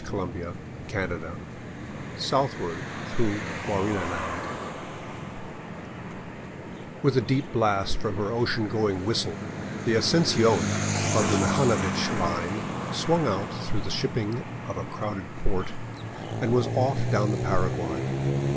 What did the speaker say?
f CHAPTER XXII SOUTHWARD THROUGH GUARANI LAND WITH a deep blast from her ocean going whistle the Asuncion of the Mihanovich Line swung out through the shipping of a crowded port and was off down the Paraguay.